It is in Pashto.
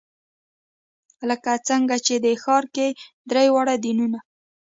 لکه څنګه چې دې ښار کې درې واړه دینونه.